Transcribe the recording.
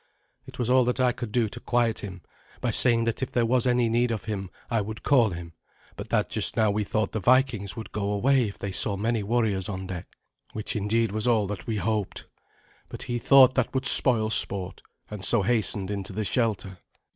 It was all that I could do to quiet him by saying that if there was any need of him I would call him, but that just now we thought the Vikings would go away if they saw many warriors on deck. Which indeed was all that we hoped, but he thought that would spoil sport, and so hastened into the shelter.